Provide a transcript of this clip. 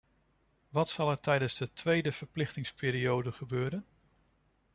Wat zal er tijdens de tweede verplichtingsperiode gebeuren?